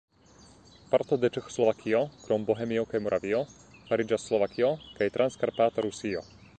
Parto de Ĉeĥoslovakio krom Bohemio kaj Moravio fariĝas Slovakio kaj Transkarpata Rusio.